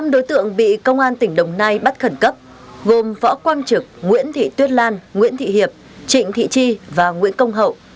năm đối tượng bị công an tỉnh đồng nai bắt khẩn cấp gồm võ quang trực nguyễn thị tuyết lan nguyễn thị hiệp trịnh thị tri và nguyễn công hậu